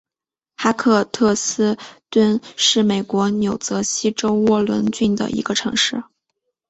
哈克特斯敦是美国纽泽西州沃伦郡的一个城市。